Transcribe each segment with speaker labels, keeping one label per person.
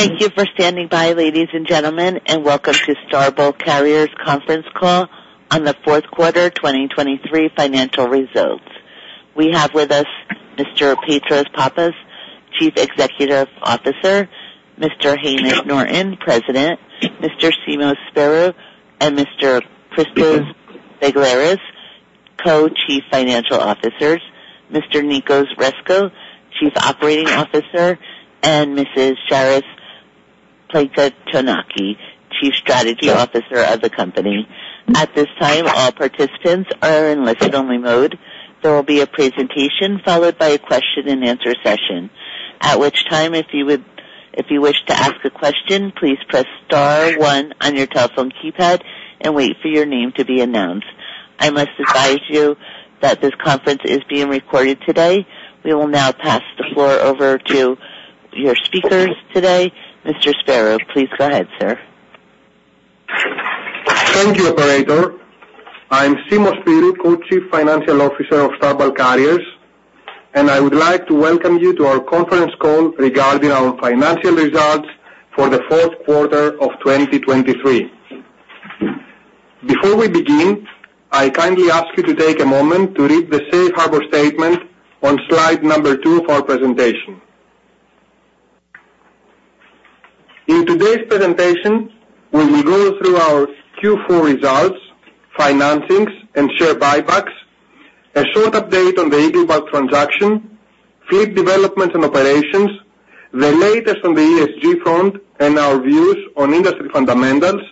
Speaker 1: Thank you for standing by, ladies and gentlemen, and welcome to Star Bulk Carriers conference call on the fourth quarter 2023 financial results. We have with us Mr. Petros Pappas, Chief Executive Officer, Mr. Hamish Norton, President, Mr. Simos Spyrou, and Mr. Christos Begleris, Co-Chief Financial Officers, Mr. Nicos Rescos, Chief Operating Officer, and Mrs. Charis Plakantonaki, Chief Strategy Officer of the company. At this time, all participants are in listen-only mode. There will be a presentation followed by a question and answer session, at which time, if you would- if you wish to ask a question, please press star one on your telephone keypad and wait for your name to be announced. I must advise you that this conference is being recorded today. We will now pass the floor over to your speakers today. Mr. Spyrou, please go ahead, sir.
Speaker 2: Thank you, operator. I'm Simos Spyrou, Co-Chief Financial Officer of Star Bulk Carriers, and I would like to welcome you to our conference call regarding our financial results for the fourth quarter of 2023. Before we begin, I kindly ask you to take a moment to read the safe harbor statement on slide number two of our presentation. In today's presentation, we will go through our Q4 results, financings, and share buybacks, a short update on the Eagle Bulk transaction, fleet development and operations, the latest on the ESG front, and our views on industry fundamentals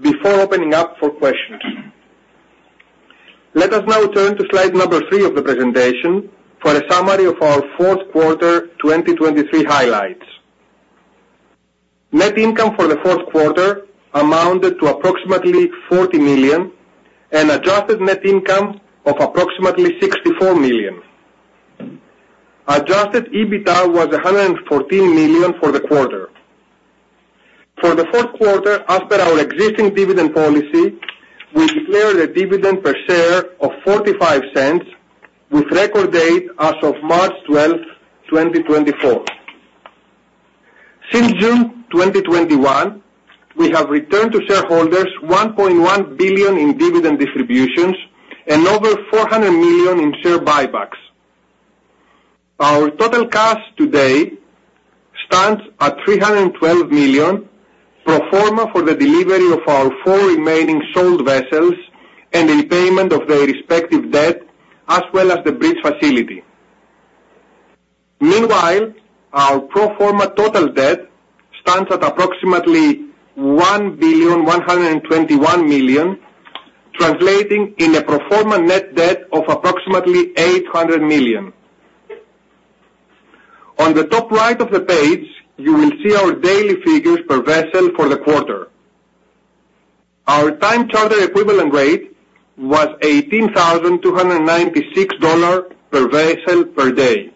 Speaker 2: before opening up for questions. Let us now turn to slide number three of the presentation for a summary of our fourth quarter 2023 highlights. Net income for the fourth quarter amounted to approximately $40 million and adjusted net income of approximately $64 million. Adjusted EBITDA was $114 million for the quarter. For the fourth quarter, as per our existing dividend policy, we declare the dividend per share of $0.45, with record date as of March 12th, 2024. Since June 2021, we have returned to shareholders $1.1 billion in dividend distributions and over $400 million in share buybacks. Our total cash today stands at $312 million pro forma for the delivery of our four remaining sold vessels and repayment of their respective debt, as well as the bridge facility. Meanwhile, our pro forma total debt stands at approximately $1.121 billion, translating in a pro forma net debt of approximately $800 million. On the top right of the page, you will see our daily figures per vessel for the quarter. Our time charter equivalent rate was $18,296 per vessel per day.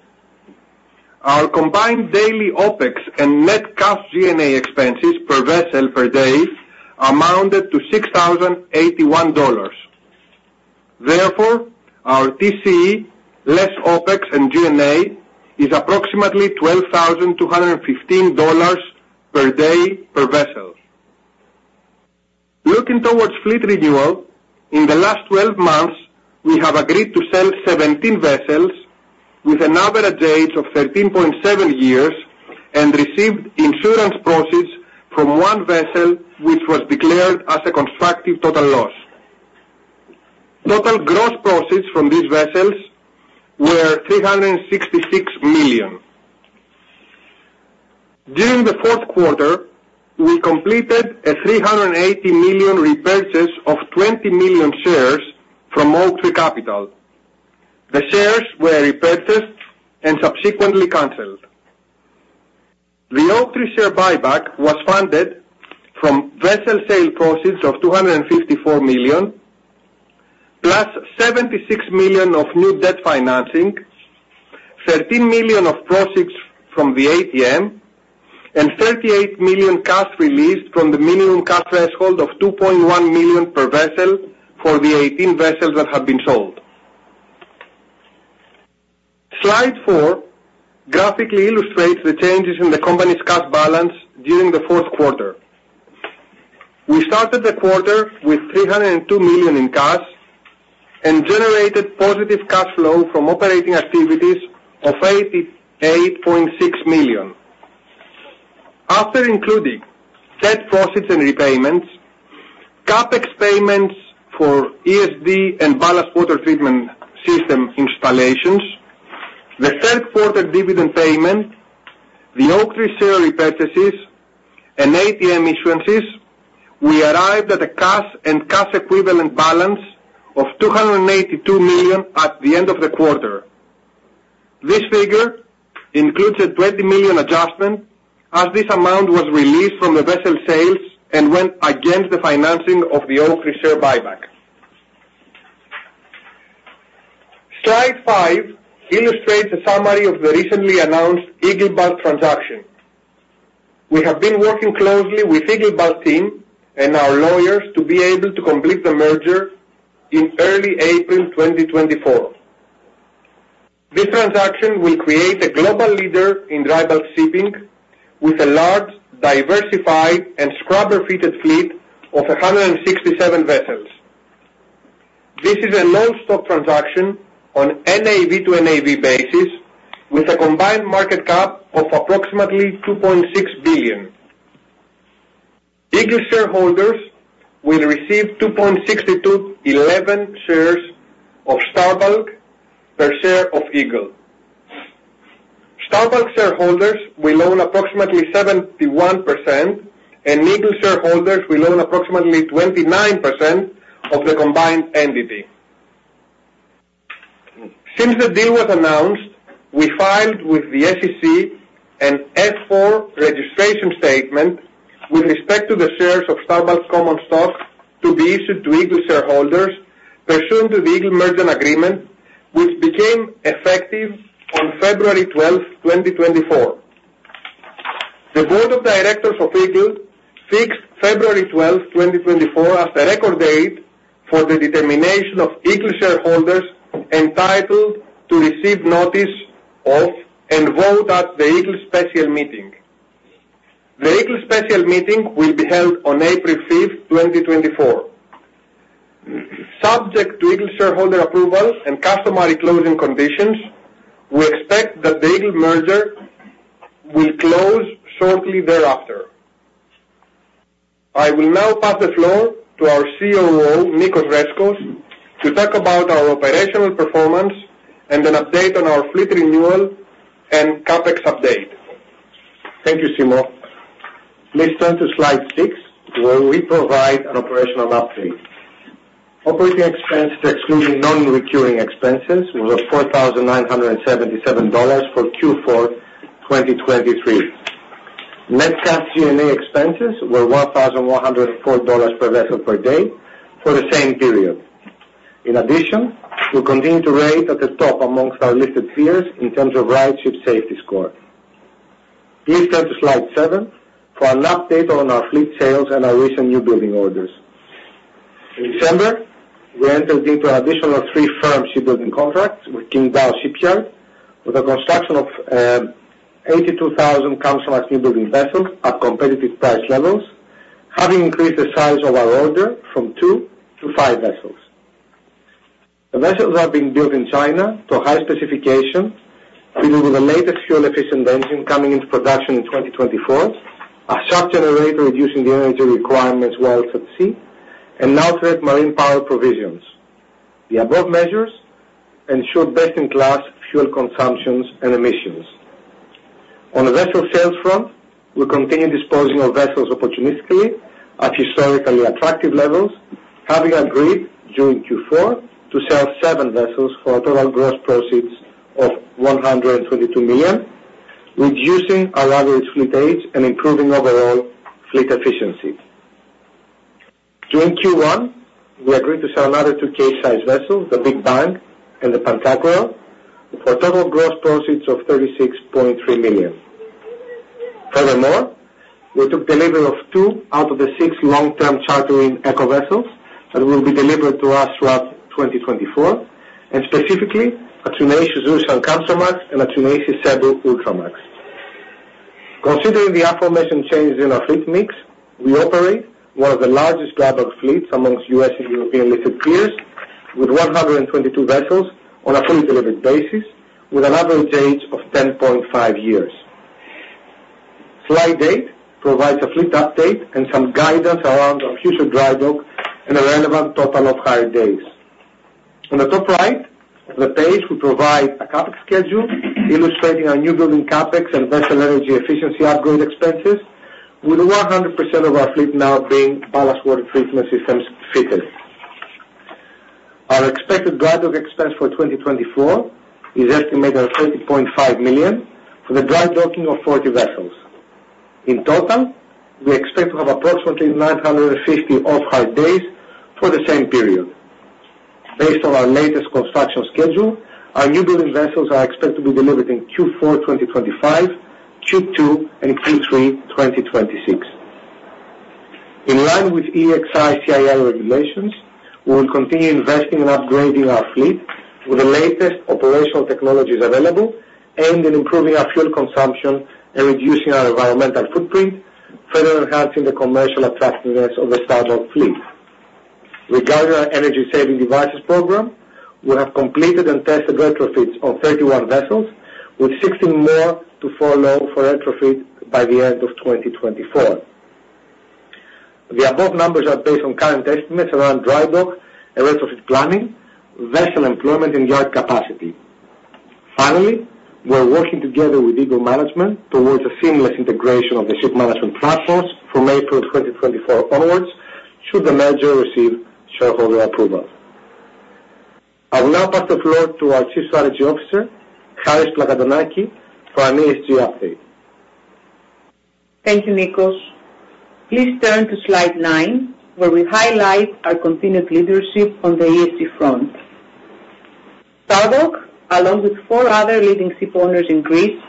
Speaker 2: Our combined daily OpEx and net cash G&A expenses per vessel per day amounted to $6,081. Therefore, our TCE, less OpEx and G&A, is approximately $12,215 per day per vessel. Looking toward fleet renewal, in the last 12 months, we have agreed to sell 17 vessels with an average age of 13.7 years and received insurance proceeds from one vessel, which was declared as a constructive total loss. Total gross proceeds from these vessels were $366 million. During the fourth quarter, we completed a $380 million repurchase of 20 million shares from Oaktree Capital. The shares were repurchased and subsequently canceled. The Oaktree share buyback was funded from vessel sale proceeds of $254 million, plus $76 million of new debt financing, $13 million of proceeds from the ATM, and $38 million cash released from the minimum cash threshold of $2.1 million per vessel for the 18 vessels that have been sold. Slide four graphically illustrates the changes in the company's cash balance during the fourth quarter. We started the quarter with $302 million in cash and generated positive cash flow from operating activities of $88.6 million. After including sale proceeds and repayments, CapEx payments for ESD and ballast water treatment system installations, the third quarter dividend payment, the Oaktree share repurchases and ATM issuances, we arrived at a cash and cash equivalent balance of $282 million at the end of the quarter. This figure includes a $20 million adjustment, as this amount was released from the vessel sales and went against the financing of the Oaktree share buyback. Slide five illustrates a summary of the recently announced Eagle Bulk transaction. We have been working closely with Eagle Bulk team and our lawyers to be able to complete the merger in early April 2024. This transaction will create a global leader in dry bulk shipping, with a large, diversified, and scrubber-fitted fleet of 167 vessels. This is an all-stock transaction on NAV to NAV basis, with a combined market cap of approximately $2.6 billion. Eagle shareholders will receive 2.6211 shares of Star Bulk per share of Eagle. Star Bulk shareholders will own approximately 71%, and Eagle shareholders will own approximately 29% of the combined entity. Since the deal was announced, we filed with the SEC an S-4 registration statement with respect to the shares of Star Bulk common stock to be issued to Eagle shareholders pursuant to the Eagle merger agreement, which became effective on February 12th, 2024. The board of directors of Eagle fixed February 12th, 2024 as the record date for the determination of Eagle shareholders entitled to receive notice of, and vote at the Eagle special meeting. The Eagle special meeting will be held on April 5th, 2024. Subject to Eagle shareholder approval and customary closing conditions, we expect that the Eagle merger will close shortly thereafter. I will now pass the floor to our COO, Nicos Rescos, to talk about our operational performance and an update on our fleet renewal and CapEx update.
Speaker 3: Thank you, Simos. Please turn to slide 6, where we provide an operational update. Operating expenses, excluding non-recurring expenses, were $4,977 for Q4 2023. Net cash G&A expenses were $1,104 per vessel per day for the same period. In addition, we continue to rate at the top amongst our listed peers in terms of RightShip Safety score. Please turn to slide seven for an update on our fleet sales and our recent newbuilding orders. In December, we entered into an additional three firm shipbuilding contracts with Qingdao Shipyard, with the construction of 82,000 Kamsarmax newbuilding vessels at competitive price levels, having increased the size of our order from 2 to 5 vessels. The vessels are being built in China to a high specification, fitted with the latest fuel-efficient engine coming into production in 2024, a shaft generator reducing the energy requirements while at sea, and alternate marine power provisions. The above measures ensure best-in-class fuel consumptions and emissions. On the vessel sales front, we continue disposing of vessels opportunistically at historically attractive levels, having agreed during Q4 to sell seven vessels for a total gross proceeds of $122 million, reducing our average fleet age and improving overall fleet efficiency. During Q1, we agreed to sell another two Capesize vessels, the Big Bang and the Pantagruel, with a total gross proceeds of $36.3 million. Furthermore, we took delivery of two out of the six long-term chartering eco vessels that will be delivered to us throughout 2024, and specifically a Tsuneishi Zhoushan Kamsarmax and a Tsuneishi Cebu Ultramax. Considering the aforementioned changes in our fleet mix, we operate one of the largest global fleets amongst U.S. and European listed peers, with 122 vessels on a fully delivered basis, with an average age of 10.5 years. Slide eight provides a fleet update and some guidance around our future dry dock and the relevant total off-hire days. On the top right of the page, we provide a CapEx schedule illustrating our newbuilding CapEx and vessel energy efficiency upgrade expenses, with 100% of our fleet now being ballast water treatment systems fitted. Our expected drydock expense for 2024 is estimated at $30.5 million for the drydocking of 40 vessels. In total, we expect to have approximately 950 off-hire days for the same period. Based on our latest construction schedule, our newbuilding vessels are expected to be delivered in Q4 2025, Q2 and Q3 2026. In line with EEXI and CII regulations, we will continue investing in upgrading our fleet with the latest operational technologies available, aimed at improving our fuel consumption and reducing our environmental footprint, further enhancing the commercial attractiveness of the Star Bulk fleet. Regarding our energy-saving devices program, we have completed and tested retrofits on 31 vessels, with 16 more to follow for retrofit by the end of 2024. The above numbers are based on current estimates around drydock and retrofit planning, vessel employment and yard capacity. Finally, we are working together with Eagle management towards a seamless integration of the ship management platforms from April 2024 onwards, should the merger receive shareholder approval. I will now pass the floor to our Chief Strategy Officer, Charis Plakantonaki, for an ESG update. Thank you, Nicos. Please turn to slide nine, where we highlight our continued leadership on the ESG front. Star Bulk, along with four other leading shipowners in Greece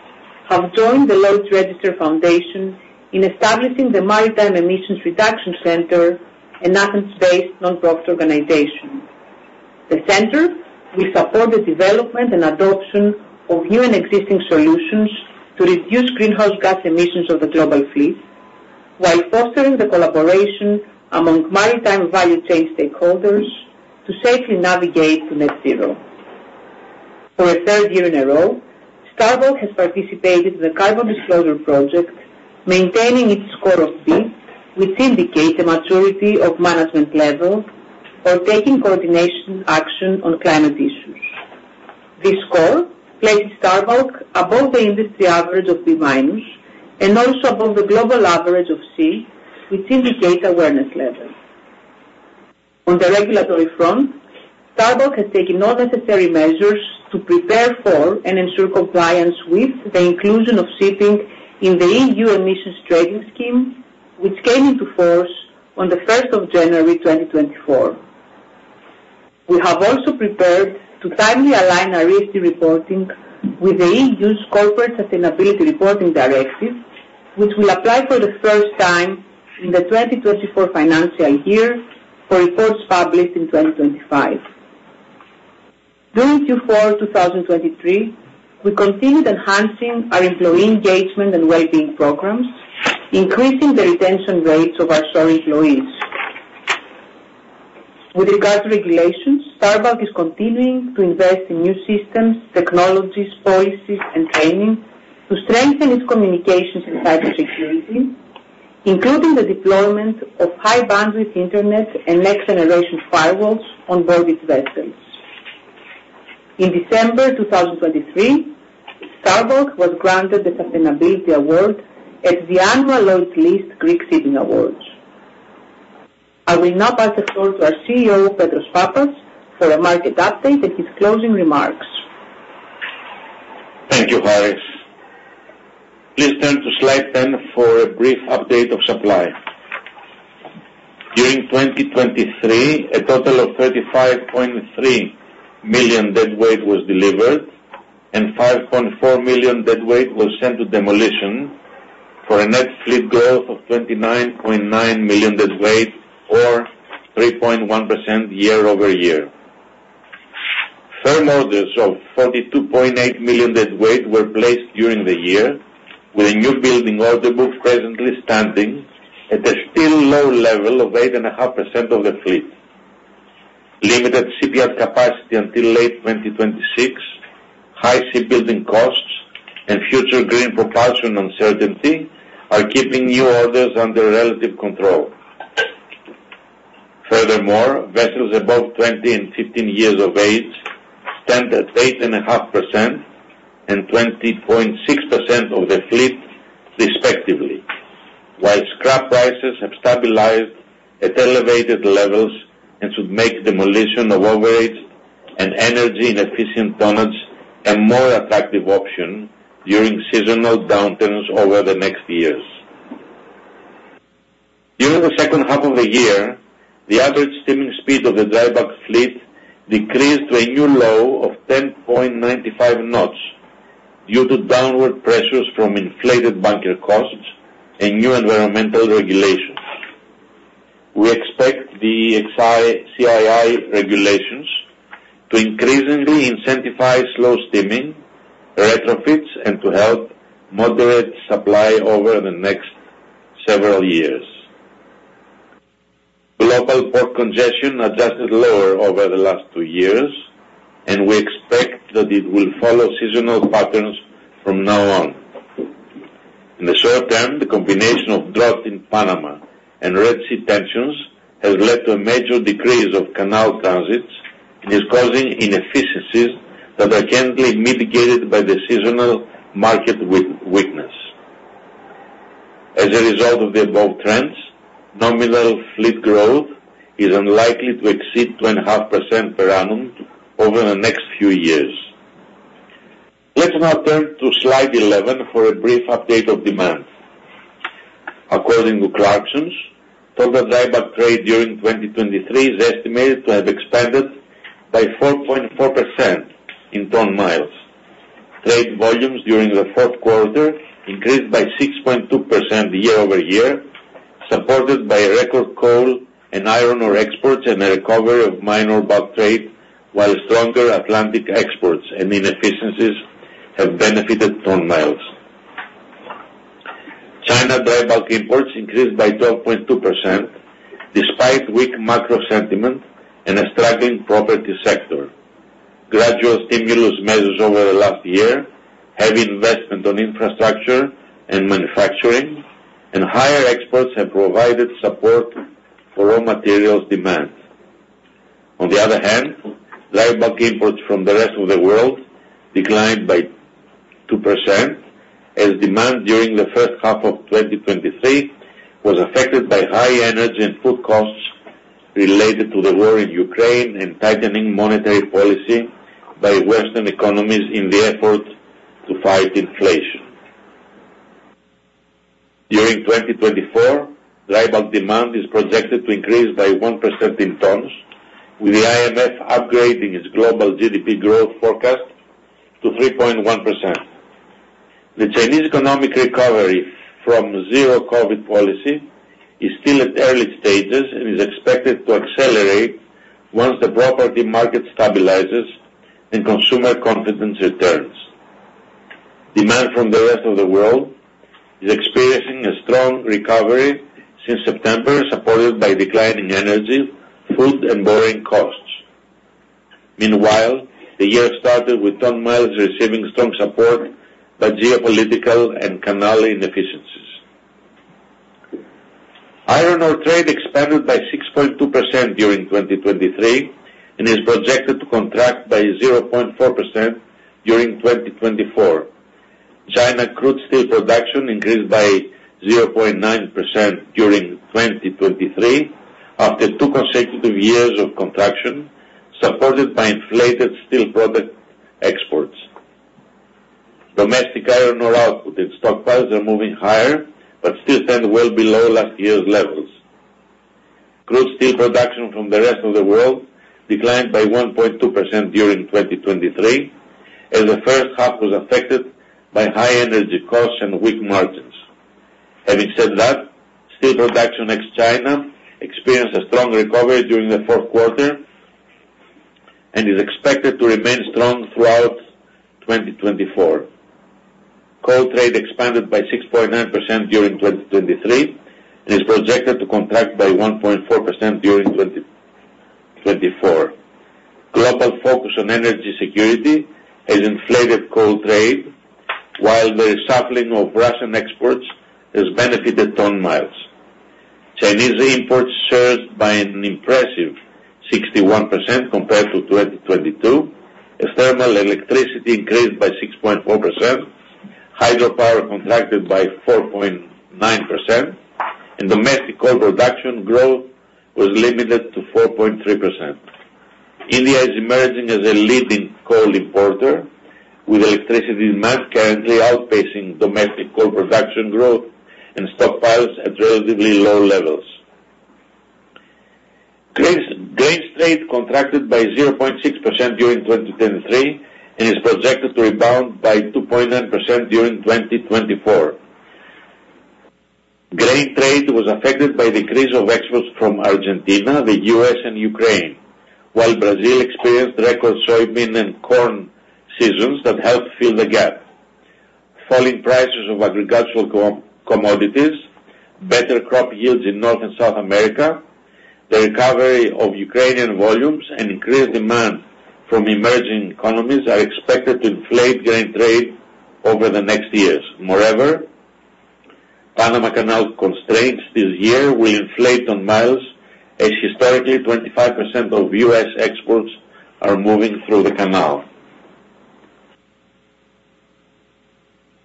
Speaker 3: have joined the Lloyd's Register Foundation in establishing the Maritime Emissions Reduction Centre, an Athens-based nonprofit organization. The centre will support the development and adoption of new and existing solutions to reduce greenhouse gas emissions of the global fleet, while fostering the collaboration among maritime value chain stakeholders to safely navigate to net zero. For a third year in a row, Star Bulk has participated in the Carbon Disclosure Project, maintaining its score of B, which indicates a maturity of management level for taking coordination action on climate issues. This score places Star Bulk above the industry average of B-, and also above the global average of C, which indicates awareness level. On the regulatory front, Star Bulk has taken all necessary measures to prepare for and ensure compliance with the inclusion of shipping in the EU Emissions Trading Scheme, which came into force on the 1st of January, 2024. We have also prepared to timely align our ESG reporting with the EU's Corporate Sustainability Reporting Directive, which will apply for the first time in the 2024 financial year for reports published in 2025. During Q4 2023, we continued enhancing our employee engagement and well-being programs, increasing the retention rates of our shore employees. With regard to regulations, Star Bulk is continuing to invest in new systems, technologies, policies, and training to strengthen its communications and cybersecurity, including the deployment of high-bandwidth internet and next-generation firewalls on board its vessels. In December 2023, Star Bulk was granted the Sustainability Award at the annual Lloyd's List Greek Shipping Awards. I will now pass the call to our CEO, Petros Pappas, for a market update and his closing remarks.
Speaker 4: Thank you, Charis. Please turn to slide 10 for a brief update of supply. During 2023, a total of 35.3 million deadweight was delivered, and 5.4 million deadweight was sent to demolition, for a net fleet growth of 29.9 million deadweight or 3.1% year-over-year. Firm orders of 42.8 million deadweight were placed during the year, with a newbuilding order book presently standing at a still low level of 8.5% of the fleet. Limited shipyard capacity until late 2026, high shipbuilding costs, and future green propulsion uncertainty are keeping new orders under relative control. Furthermore, vessels above 20 and 15 years of age stand at 8.5% and 20.6% of the fleet, respectively, while scrap prices have stabilized at elevated levels and should make demolition of overweight and energy-inefficient tonnage a more attractive option during seasonal downturns over the next years. During the second half of the year, the average steaming speed of the dry bulk fleet decreased to a new low of 10.95 knots due to downward pressures from inflated bunker costs and new environmental regulations. We expect the EEXI-CII regulations to increasingly incentivize slow steaming, retrofits, and to help moderate supply over the next several years. Global port congestion adjusted lower over the last two years, and we expect that it will follow seasonal patterns from now on. In the short term, the combination of drought in Panama and Red Sea tensions has led to a major decrease of canal transits and is causing inefficiencies that are currently mitigated by the seasonal market weakness. As a result of the above trends, nominal fleet growth is unlikely to exceed 2.5% per annum over the next few years. Let's now turn to slide 11 for a brief update of demand. According to Clarksons, total dry bulk trade during 2023 is estimated to have expanded by 4.4% in ton miles. Trade volumes during the fourth quarter increased by 6.2% year-over-year, supported by record coal and iron ore exports and a recovery of minor bulk trade, while stronger Atlantic exports and inefficiencies have benefited ton miles. China dry bulk imports increased by 12.2%, despite weak macro sentiment and a struggling property sector. Gradual stimulus measures over the last year, heavy investment on infrastructure and manufacturing, and higher exports have provided support for raw materials demand. On the other hand, dry bulk imports from the rest of the world declined by 2%, as demand during the first half of 2023 was affected by high energy and food costs related to the war in Ukraine and tightening monetary policy by Western economies in the effort to fight inflation. During 2024, dry bulk demand is projected to increase by 1% in tons, with the IMF upgrading its global GDP growth forecast to 3.1%. The Chinese economic recovery from zero COVID policy is still at early stages and is expected to accelerate once the property market stabilizes and consumer confidence returns. Demand from the rest of the world is experiencing a strong recovery since September, supported by declining energy, food, and borrowing costs. Meanwhile, the year started with ton miles receiving strong support by geopolitical and canal inefficiencies. Iron ore trade expanded by 6.2% during 2023 and is projected to contract by 0.4% during 2024. China crude steel production increased by 0.9% during 2023, after two consecutive years of contraction, supported by inflated steel product exports. Domestic iron ore output and stockpiles are moving higher, but still stand well below last year's levels. Crude steel production from the rest of the world declined by 1.2% during 2023, as the first half was affected by high energy costs and weak margins. Having said that, steel production ex-China experienced a strong recovery during the fourth quarter and is expected to remain strong throughout 2024. Coal trade expanded by 6.9% during 2023 and is projected to contract by 1.4% during 2024. Global focus on energy security has inflated coal trade, while the reshuffling of Russian exports has benefited ton miles. Chinese imports surged by an impressive 61% compared to 2022, as thermal electricity increased by 6.4%, hydropower contracted by 4.9%, and domestic coal production growth was limited to 4.3%. India is emerging as a leading coal importer, with electricity demand currently outpacing domestic coal production growth and stockpiles at relatively low levels. Grain trade contracted by 0.6% during 2023 and is projected to rebound by 2.9% during 2024. Grain trade was affected by decrease of exports from Argentina, the U.S., and Ukraine, while Brazil experienced record soybean and corn seasons that helped fill the gap. Falling prices of agricultural commodities, better crop yields in North and South America, the recovery of Ukrainian volumes and increased demand from emerging economies are expected to inflate grain trade over the next years. Moreover, Panama Canal constraints this year will inflate ton-miles as historically 25% of U.S. exports are moving through the canal.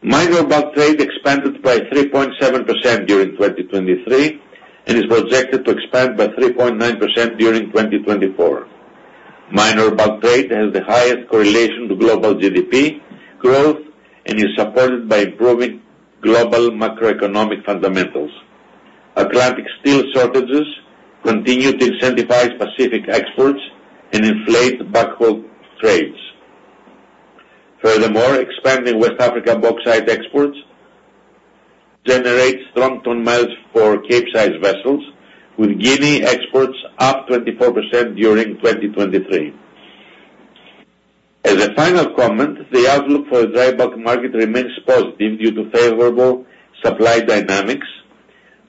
Speaker 4: Minor bulk trade expanded by 3.7% during 2023 and is projected to expand by 3.9% during 2024. Minor bulk trade has the highest correlation to global GDP growth and is supported by improving global macroeconomic fundamentals. Atlantic steel shortages continue to incentivize Pacific exports and inflate bulk trades. Furthermore, expanding West Africa bauxite exports generates strong ton-miles for Capesize vessels, with Guinea exports up 24% during 2023. As a final comment, the outlook for the dry bulk market remains positive due to favorable supply dynamics,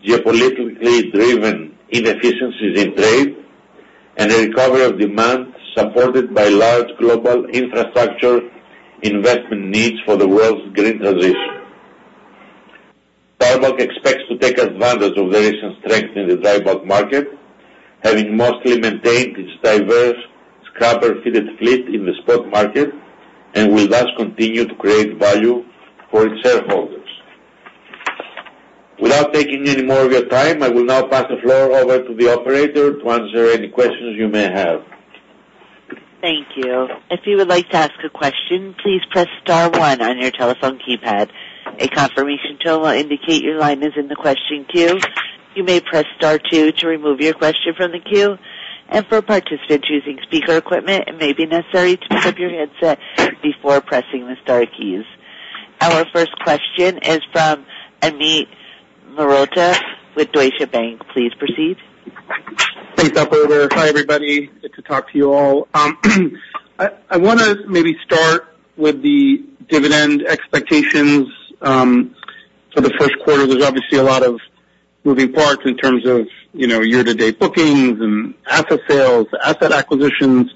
Speaker 4: geopolitically driven inefficiencies in trade, and a recovery of demand supported by large global infrastructure investment needs for the world's green transition. Star Bulk expects to take advantage of the recent strength in the dry bulk market, having mostly maintained its diverse scrubber-fitted fleet in the spot market, and will thus continue to create value for its shareholders. Without taking any more of your time, I will now pass the floor over to the operator to answer any questions you may have.
Speaker 1: Thank you. If you would like to ask a question, please press star one on your telephone keypad. A confirmation tone will indicate your line is in the question queue. You may press star two to remove your question from the queue, and for participants using speaker equipment, it may be necessary to pick up your headset before pressing the star keys. Our first question is from Amit Mehrotra with Deutsche Bank. Please proceed.
Speaker 5: Thanks, operator. Hi, everybody. Good to talk to you all. I wanna maybe start with the dividend expectations for the first quarter. There's obviously a lot of moving parts in terms of, you know, year-to-date bookings and asset sales, asset acquisitions.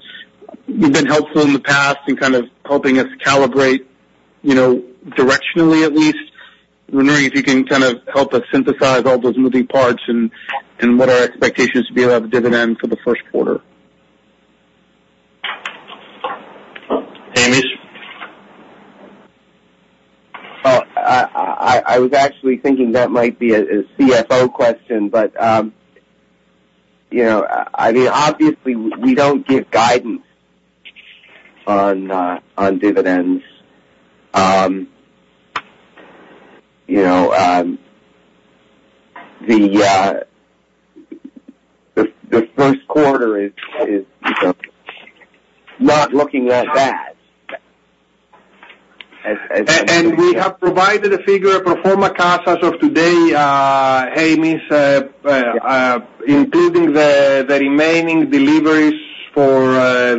Speaker 5: You've been helpful in the past in kind of helping us calibrate, you know, directionally at least. We're wondering if you can kind of help us synthesize all those moving parts and what our expectations would be about the dividend for the first quarter? Hamish?
Speaker 6: I was actually thinking that might be a CFO question, but, you know, I mean, obviously we don't give guidance on dividends. You know, the first quarter is, you know, not looking that bad.
Speaker 2: We have provided a figure pro forma cash as of today, Hamish, including the remaining deliveries for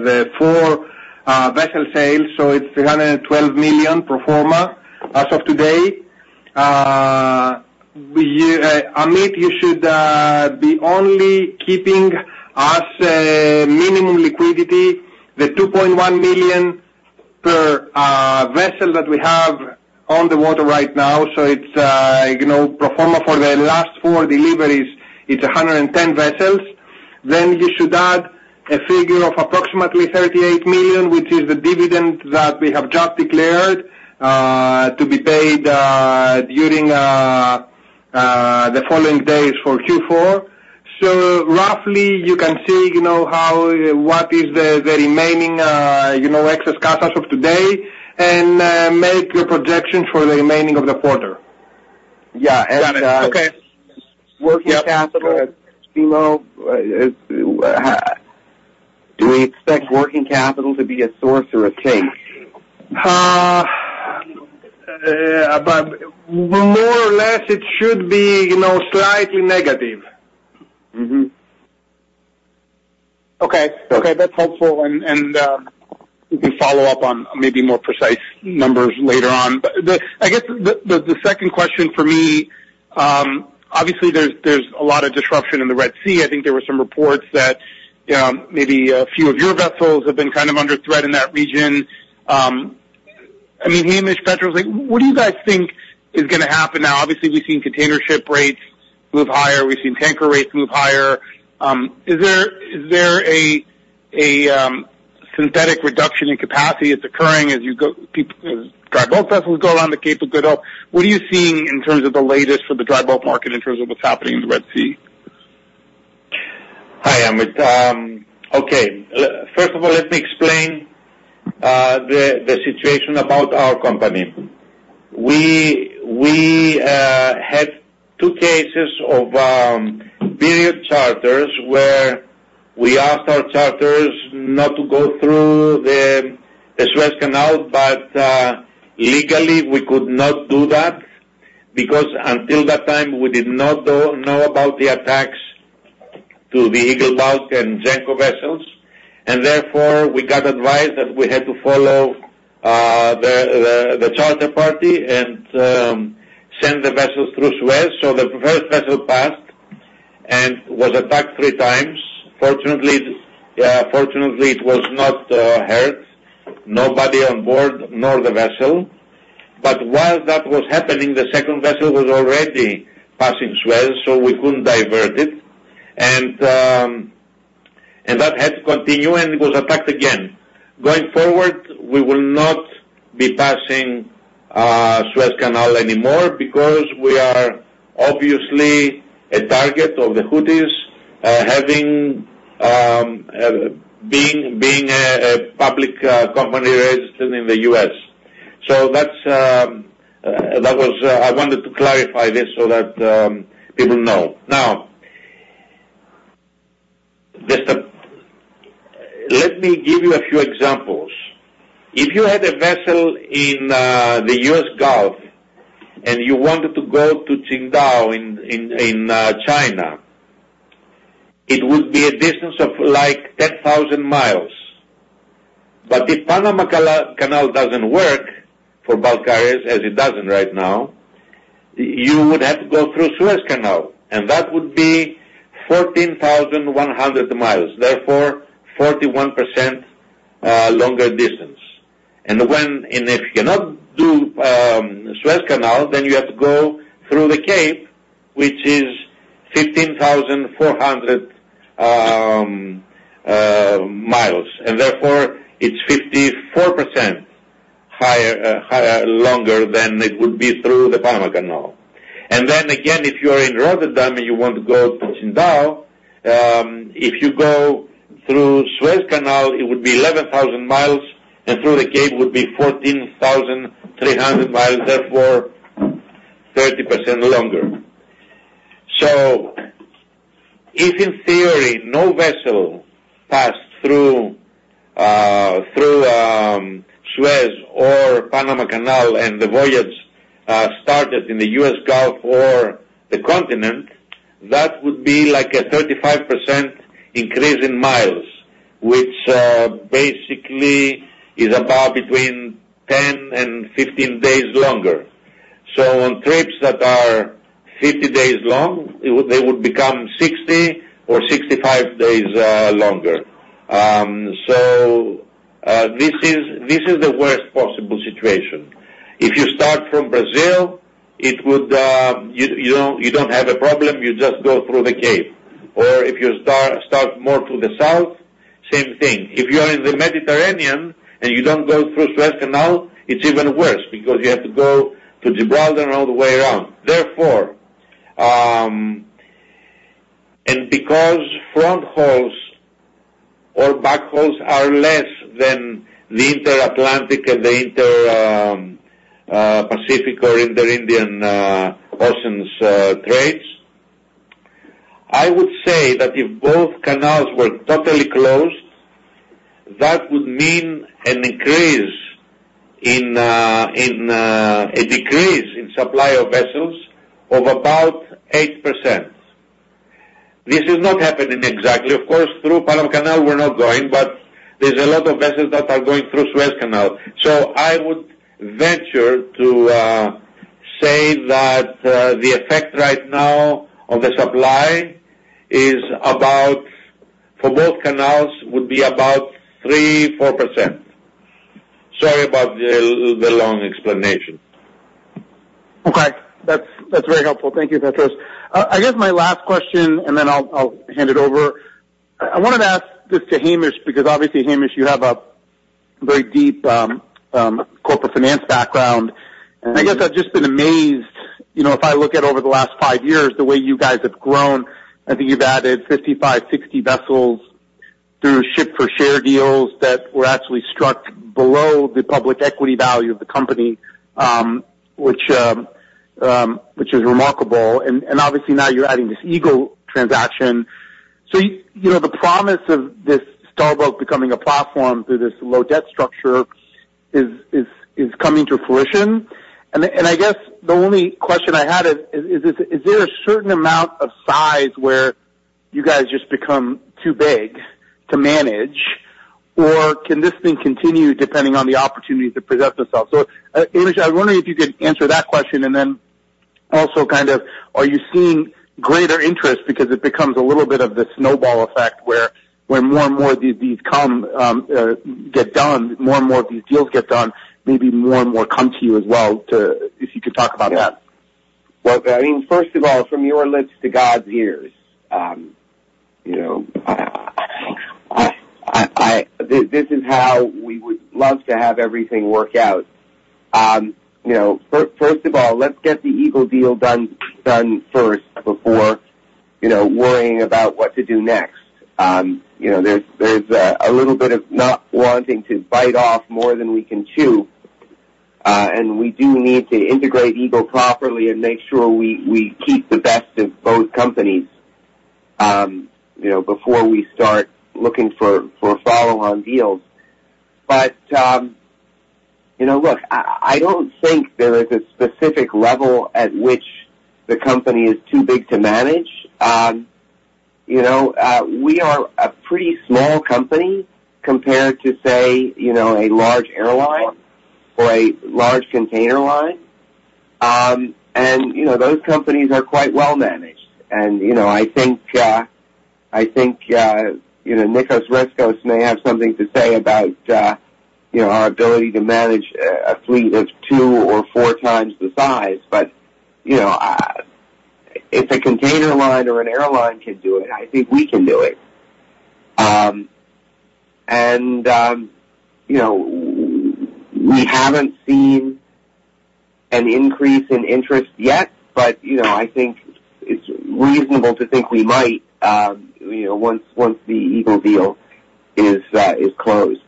Speaker 2: the four vessel sales. So it's $312 million pro forma as of today. Amit, you should be only keeping us minimum liquidity, the $2.1 million per vessel that we have on the water right now. So it's, you know, pro forma for the last four deliveries, it's 110 vessels. Then you should add a figure of approximately $38 million, which is the dividend that we have just declared to be paid the following days for Q4. So roughly you can see, you know, how what is the remaining, you know, excess cost as of today, and make your projections for the remaining of the quarter.
Speaker 5: Yeah. Got it. Okay. Working capital. Simos, do we expect working capital to be a source or a thing?
Speaker 2: More or less, it should be, you know, slightly negative.
Speaker 5: Mm-hmm. Okay. Okay, that's helpful. And we can follow up on maybe more precise numbers later on. But the, I guess the second question for me, obviously there's a lot of disruption in the Red Sea. I think there were some reports that maybe a few of your vessels have been kind of under threat in that region. I mean, Hamish, Petros, like, what do you guys think is going to happen now? Obviously, we've seen container ship rates move higher. We've seen tanker rates move higher. Is there a synthetic reduction in capacity that's occurring as dry bulk vessels go around the Cape of Good Hope? What are you seeing in terms of the latest for the dry bulk market, in terms of what's happening in the Red Sea?
Speaker 4: Hi, Amit. Okay. First of all, let me explain the situation about our company. We had two cases of period charters, where we asked our charterers not to go through the Suez Canal, but legally, we could not do that, because until that time, we did not know about the attacks to the Eagle Bulk and Genco vessels. And therefore, we got advised that we had to follow the charter party and send the vessels through Suez. So the first vessel passed and was attacked three times. Fortunately, it was not hurt. Nobody on board, nor the vessel. But while that was happening, the second vessel was already passing Suez, so we couldn't divert it. And that had to continue, and it was attacked again. Going forward, we will not be passing Suez Canal anymore because we are obviously a target of the Houthis, having being a public company registered in the U.S. So that's that. I wanted to clarify this so that people know. Now, just let me give you a few examples. If you had a vessel in the U.S. Gulf and you wanted to go to Qingdao in China, it would be a distance of, like, 10,000 miles. But if Panama Canal doesn't work for bulk carriers, as it doesn't right now, you would have to go through Suez Canal, and that would be 14,100 miles, therefore, 41% longer distance. And when, and if you cannot do Suez Canal, then you have to go through the Cape, which is 15,400 miles, and therefore it's 54% higher, longer than it would be through the Panama Canal. And then again, if you're in Rotterdam and you want to go to Qingdao, if you go through Suez Canal, it would be 11,000 miles, and through the Cape it would be 14,300 miles, therefore 30% longer. So if in theory, no vessel passed through Suez or Panama Canal, and the voyage started in the U.S. Gulf or the continent, that would be like a 35% increase in miles, which basically is about between 10 and 15 days longer. So on trips that are 50 days long, it would, they would become 60 or 65 days longer. So, this is the worst possible situation. If you start from Brazil, it would, you don't have a problem. You just go through the Cape. Or if you start more to the south, same thing. If you are in the Mediterranean and you don't go through Suez Canal, it's even worse because you have to go to Gibraltar and all the way around. Therefore, those front hauls or back hauls are less than the intra-Atlantic and the intra-Pacific or intra-Indian Oceans trades. I would say that if both canals were totally closed, that would mean an increase in a decrease in supply of vessels of about 8%. This is not happening exactly. Of course, through Panama Canal, we're not going, but there's a lot of vessels that are going through Suez Canal. So I would venture to say that, the effect right now on the supply is about, for both canals, would be about 3%-4%. Sorry about the long explanation.
Speaker 5: Okay. That's, that's very helpful. Thank you, Petros. I guess my last question, and then I'll, I'll hand it over. I wanted to ask this to Hamish, because obviously, Hamish, you have a very deep corporate finance background. And I guess I've just been amazed, you know, if I look at over the last five years, the way you guys have grown, I think you've added 55, 60 vessels through ship-for-share deals that were actually struck below the public equity value of the company, which is remarkable. And, and obviously, now you're adding this Eagle transaction. So you know, the promise of this Star Bulk becoming a platform through this low debt structure is, is, is coming to fruition. I guess the only question I had is, is there a certain amount of size where you guys just become too big to manage, or can this thing continue depending on the opportunity to present itself? So, Hamish, I was wondering if you could answer that question, and then also kind of, are you seeing greater interest? Because it becomes a little bit of the snowball effect, where more and more of these come, get done, more and more of these deals get done, maybe more and more come to you as well, to, if you could talk about that.
Speaker 6: Well, I mean, first of all, from your lips to God's ears, you know, this is how we would love to have everything work out. You know, first of all, let's get the Eagle deal done first, before, you know, worrying about what to do next. You know, there's a little bit of not wanting to bite off more than we can chew, and we do need to integrate Eagle properly and make sure we keep the best of both companies, you know, before we start looking for follow-on deals. But, you know, look, I don't think there is a specific level at which the company is too big to manage. You know, we are a pretty small company compared to, say, you know, a large airline or a large container line. And, you know, those companies are quite well managed. And, you know, I think, I think, you know, Nicos Rescos may have something to say about, you know, our ability to manage, a fleet of 2x or 4x the size. But, you know, if a container line or an airline can do it, I think we can do it. And, you know, we haven't seen an increase in interest yet, but, you know, I think it's reasonable to think we might, you know, once, once the Eagle deal is, is closed.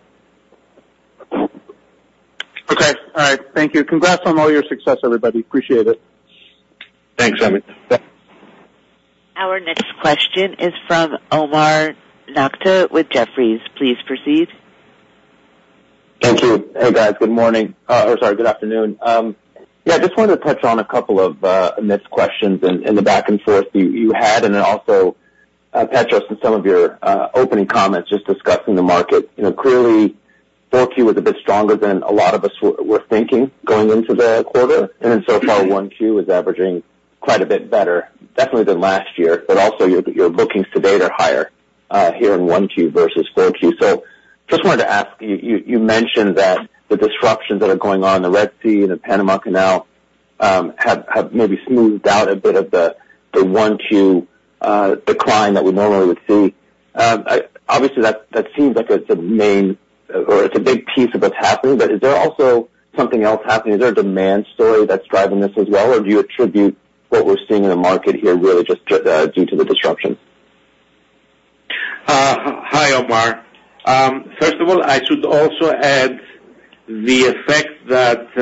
Speaker 5: Okay. All right. Thank you. Congrats on all your success, everybody. Appreciate it.
Speaker 6: Thanks, Hamish.
Speaker 1: Our next question is from Omar Nokta with Jefferies. Please proceed.
Speaker 7: Thank you. Hey, guys. Good morning. Sorry, good afternoon. Yeah, I just wanted to touch on a couple of mixed questions in the back and forth you had, and then also, Petros, in some of your opening comments just discussing the market. You know, clearly, 4Q was a bit stronger than a lot of us were thinking going into the quarter, and then so far, 1Q is averaging quite a bit better, definitely than last year, but also your bookings to date are higher here in 1Q versus 4Q. So just wanted to ask, you mentioned that the disruptions that are going on in the Red Sea and the Panama Canal have maybe smoothed out a bit of the 1Q decline that we normally would see. Obviously, that, that seems like it's a main or it's a big piece of what's happening, but is there also something else happening? Is there a demand story that's driving this as well, or do you attribute what we're seeing in the market here, really just due to the disruption?
Speaker 4: Hi, Omar. First of all, I should also add the effect that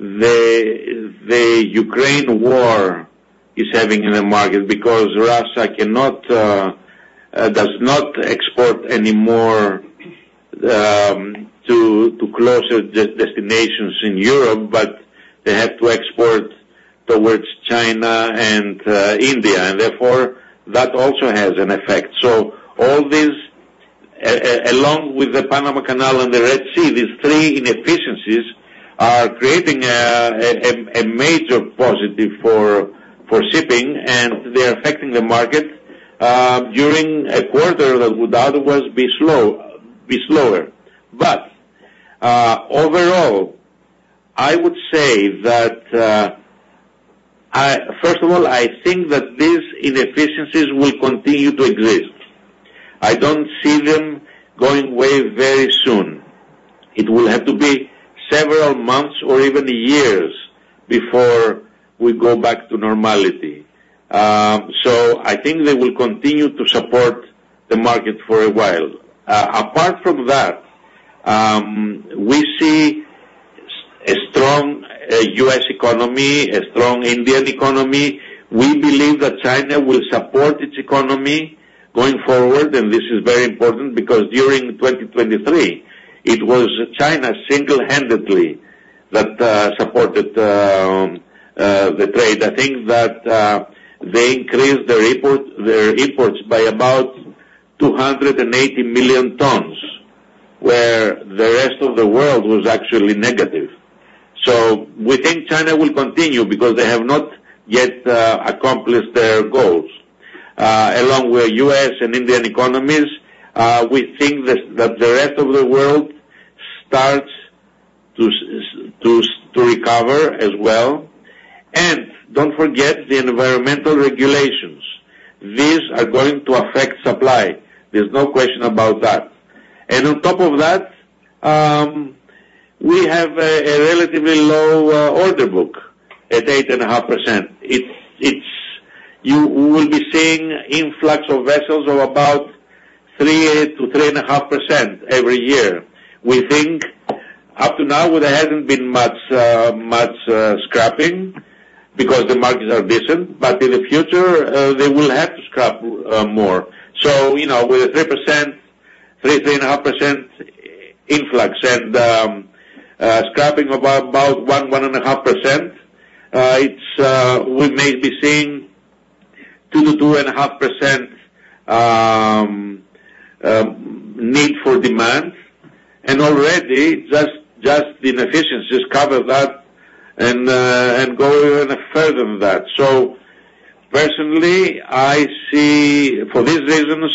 Speaker 4: the Ukraine war is having in the market because Russia cannot does not export anymore to closer destinations in Europe, but they have to export towards China and India, and therefore, that also has an effect. So all these along with the Panama Canal and the Red Sea, these three inefficiencies are creating a major positive for shipping, and they are affecting the market during a quarter that would otherwise be slow, be slower. But overall, I would say that I First of all, I think that these inefficiencies will continue to exist. I don't see them going away very soon. It will have to be several months or even years before we go back to normality. So I think they will continue to support the market for a while. Apart from that, we see a strong U.S. economy, a strong Indian economy. We believe that China will support its economy going forward, and this is very important because during 2023, it was China single-handedly that supported the trade. I think that they increased their imports by about 280 million tons, where the rest of the world was actually negative. So we think China will continue because they have not yet accomplished their goals. Along with U.S. and Indian economies, we think that the rest of the world starts to recover as well. And don't forget the environmental regulations. These are going to affect supply. There's no question about that. And on top of that, we have a relatively low order book at 8.5%. It's you will be seeing influx of vessels of about 3%-3.5% every year. We think up to now, there hasn't been much scrapping because the markets are decent, but in the future, they will have to scrap more. So, you know, with a 3%, 3-3.5% influx and scrapping about 1-1.5%, it's we may be seeing 2%-2.5% need for demand. And already, just the inefficiencies cover that and go even further than that. So personally, I see for these reasons,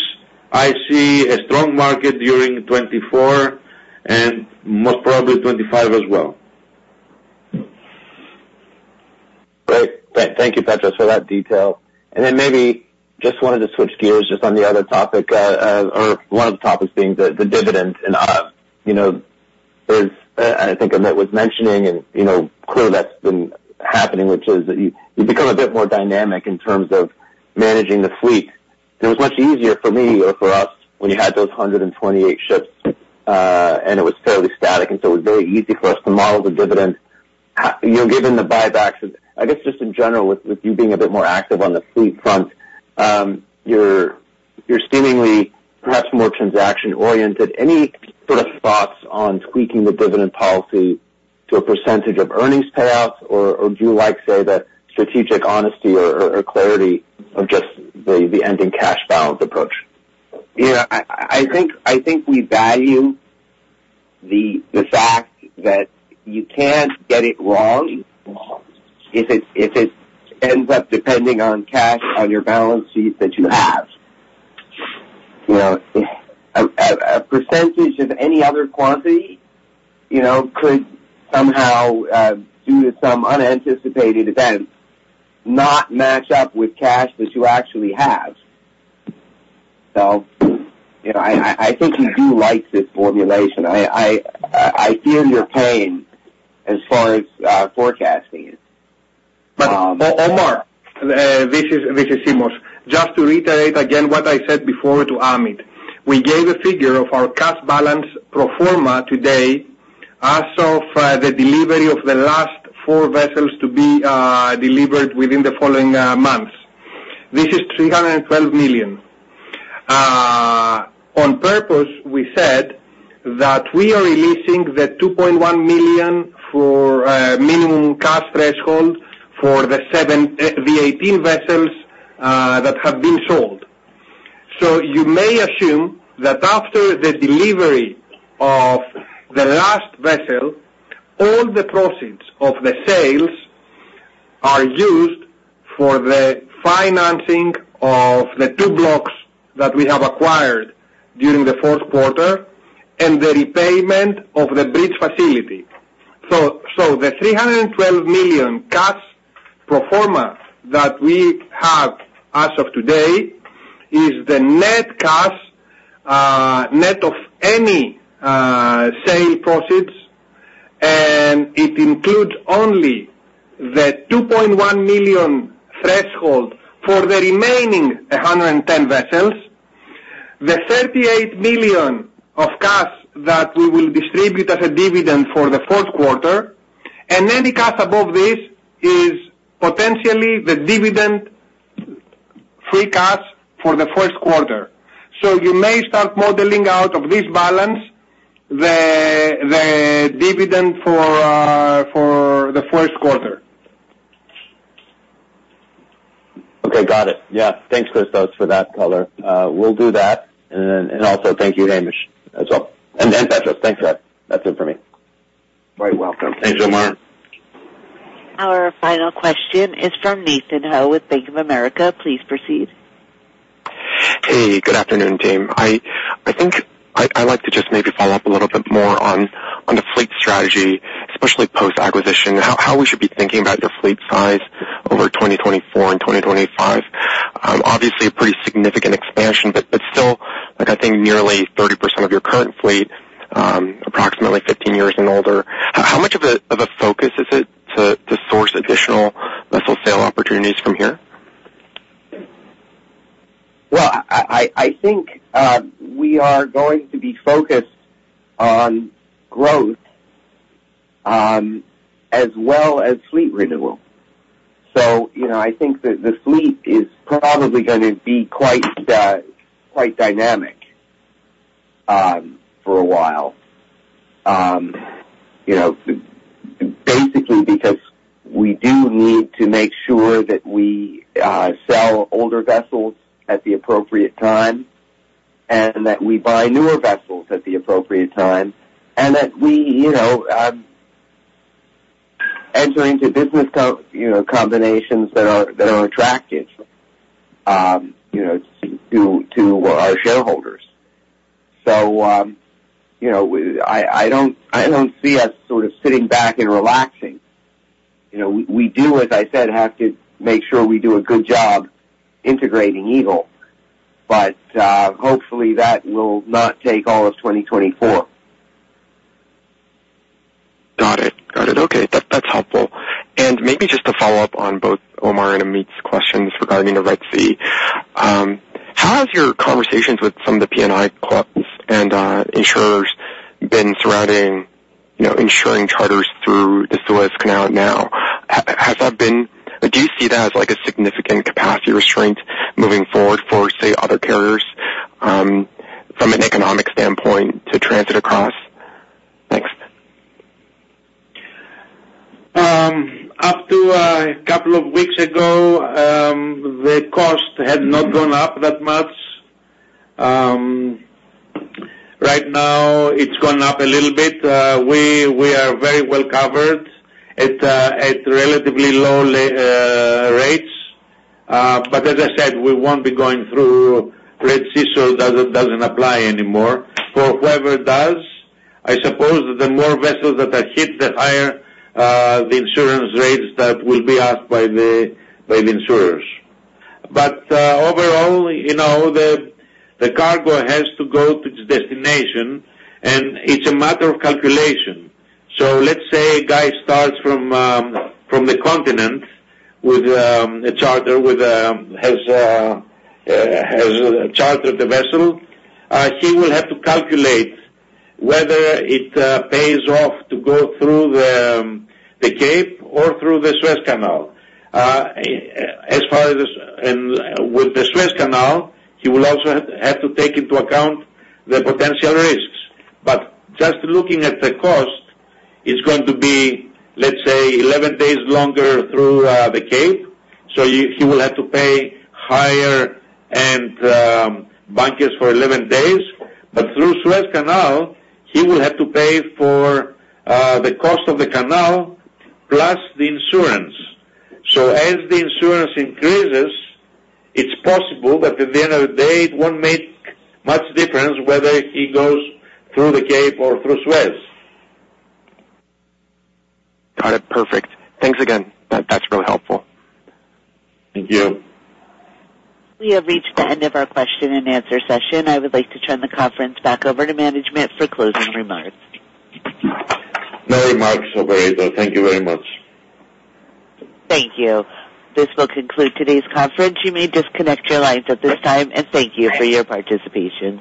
Speaker 4: I see a strong market during 2024 and most probably 2025 as well.
Speaker 7: Great. Thank you, Petros, for that detail. And then maybe just wanted to switch gears just on the other topic, or one of the topics being the, the dividend. And, you know, there's, and I think Amit was mentioning, and, you know, clearly that's been happening, which is that you, you become a bit more dynamic in terms of managing the fleet. It was much easier for me or for us when you had those 128 ships, and it was fairly static, and so it was very easy for us to model the dividend. You know, given the buybacks, and I guess just in general, with, with you being a bit more active on the fleet front, you're seemingly perhaps more transaction-oriented. Any sort of thoughts on tweaking the dividend policy to a percentage of earnings payouts, or do you like, say, the strategic honesty or clarity of just the ending cash balance approach?
Speaker 6: Yeah, I think we value the fact that you can't get it wrong if it ends up depending on cash on your balance sheet that you have. You know, a percentage of any other quantity, you know, could somehow due to some unanticipated events, not match up with cash that you actually have. So, you know, I think we do like this formulation. I feel your pain as far as forecasting it.
Speaker 2: But, Omar, this is Simos. Just to reiterate again what I said before to Amit. We gave a figure of our cash balance pro forma today as of the delivery of the last 4 vessels to be delivered within the following months. This is $312 million. On purpose, we said that we are releasing the $2.1 million for minimum cash threshold for the seven, the 18 vessels that have been sold. So you may assume that after the delivery of the last vessel, all the proceeds of the sales are used for the financing of the two blocks that we have acquired during the fourth quarter and the repayment of the bridge facility. So the $312 million cash pro forma that we have as of today is the net cash, net of any sale proceeds, and it includes only the $2.1 million threshold for the remaining 110 vessels. The $38 million of cash that we will distribute as a dividend for the fourth quarter, and any cash above this is potentially the dividend free cash for the first quarter. So you may start modeling out of this balance the dividend for the first quarter.
Speaker 7: Okay. Got it. Yeah. Thanks, Simos, for that color. We'll do that. And then, and also thank you, Hamish, as well. And, and Petros, thanks for that. That's it for me.
Speaker 6: You're welcome.
Speaker 4: Thanks, Omar.
Speaker 1: Our final question is from Nathan Ho with Bank of America. Please proceed.
Speaker 8: Hey, good afternoon, team. I think I'd like to just maybe follow up a little bit more on strategy, especially post-acquisition, how we should be thinking about your fleet size over 2024 and 2025? Obviously a pretty significant expansion, but still, like I think nearly 30% of your current fleet, approximately 15 years and older. How much of a focus is it to source additional vessel sale opportunities from here?
Speaker 6: Well, I think we are going to be focused on growth, as well as fleet renewal. So, you know, I think that the fleet is probably going to be quite dynamic for a while. You know, basically, because we do need to make sure that we sell older vessels at the appropriate time, and that we buy newer vessels at the appropriate time, and that we, you know, enter into business combinations that are attractive, you know, to our shareholders. So, you know, I don't see us sort of sitting back and relaxing. You know, we do, as I said, have to make sure we do a good job integrating Eagle, but hopefully, that will not take all of 2024.
Speaker 8: Got it. Got it. Okay, that's helpful. And maybe just to follow up on both Omar and Amit's questions regarding the Red Sea. How has your conversations with some of the P&I clubs and insurers been trending, you know, insuring charters through the Suez Canal now? Has that been, do you see that as, like, a significant capacity restraint moving forward for, say, other carriers, from an economic standpoint to transit across? Thanks.
Speaker 4: Up to a couple of weeks ago, the cost had not gone up that much. Right now, it's gone up a little bit. We are very well covered at relatively low rates. But as I said, we won't be going through Red Sea, so it doesn't apply anymore. For whoever does, I suppose the more vessels that are hit, the higher the insurance rates that will be asked by the insurers. But overall, you know, the cargo has to go to its destination, and it's a matter of calculation. So let's say a guy starts from the continent with a charter, has chartered the vessel. He will have to calculate whether it pays off to go through the Cape or through the Suez Canal. As far as with the Suez Canal, he will also have to take into account the potential risks. But just looking at the cost, it's going to be, let's say, 11 days longer through the Cape, so he will have to pay higher bunkers for 11 days. But through Suez Canal, he will have to pay for the cost of the canal plus the insurance. So as the insurance increases, it's possible that at the end of the day, it won't make much difference whether he goes through the Cape or through Suez.
Speaker 8: Got it. Perfect. Thanks again. That's really helpful.
Speaker 4: Thank you.
Speaker 1: We have reached the end of our question-and-answer session. I would like to turn the conference back over to management for closing remarks.
Speaker 4: No remarks, operator. Thank you very much.
Speaker 1: Thank you. This will conclude today's conference. You may disconnect your lines at this time, and thank you for your participation.